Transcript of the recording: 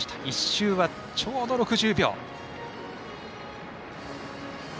１周は、ちょうど６０秒。